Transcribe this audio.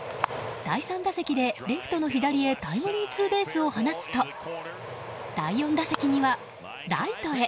第３打席でレフトの左へタイムリーツーベースを放つと第４打席にはライトへ。